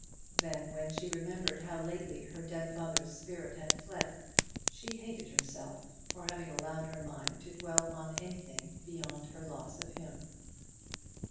Then, when she remembered how lately her dear father's spirit had fled, she hated herself for having allowed her mind to dwell on anything beyond her loss of him.